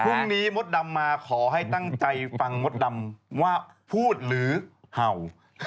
มดดำมาขอให้ตั้งใจฟังมดดำว่าพูดหรือเห่า